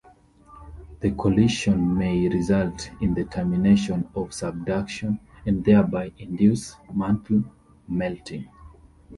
The collision may result in the termination of subduction and thereby induce mantle melting.